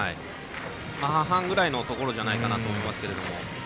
半々ぐらいのところじゃないかなと思いますけど。